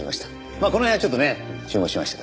まあこの辺はちょっとね注文しましたけどね。